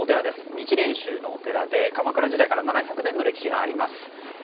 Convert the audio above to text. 日蓮宗のお寺で、鎌倉時代から７００年の歴史があります。